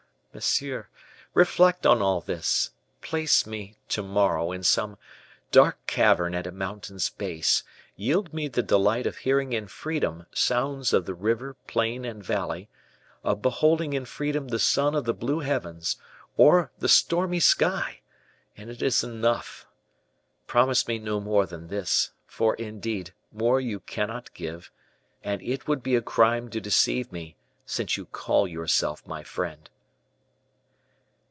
monsieur, reflect on all this; place me, to morrow, in some dark cavern at a mountain's base; yield me the delight of hearing in freedom sounds of the river, plain and valley, of beholding in freedom the sun of the blue heavens, or the stormy sky, and it is enough. Promise me no more than this, for, indeed, more you cannot give, and it would be a crime to deceive me, since you call yourself my friend."